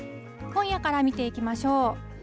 今夜から見ていきましょう。